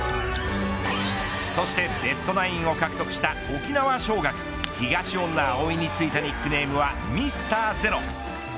そしてベストナインを獲得した沖縄尚学、東恩納蒼についたニックネームはミスターゼロ。